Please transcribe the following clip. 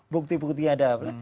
bukti buktinya ada apa